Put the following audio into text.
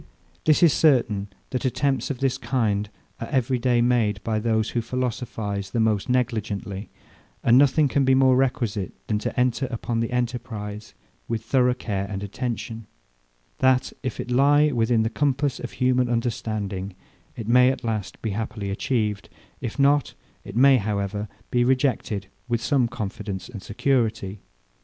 This is certain, that attempts of this kind are every day made even by those who philosophize the most negligently: And nothing can be more requisite than to enter upon the enterprize with thorough care and attention; that, if it lie within the compass of human understanding, it may at last be happily achieved; if not, it may, however, be rejected with some confidence and security.